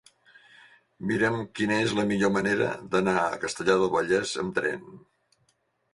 Mira'm quina és la millor manera d'anar a Castellar del Vallès amb tren.